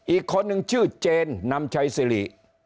อีกคนนึงชื่อเจนนำชัยสิริ